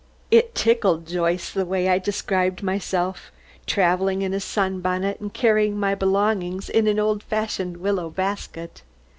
It tickled Joyce, the way I described myself, travelling in a sunbonnet and carrying my belongings in an old fashioned willow basket.